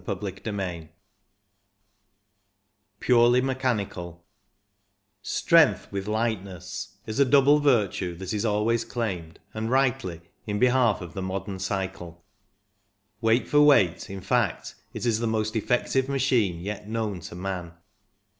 CHAPTER XVII PURELY MECHANICAL " Strength with lightness " is a double virtue that is always claimed — and rightly — in behalf of the modern cycle ; weight for weight, in fact, it is the most effective machine yet known to man.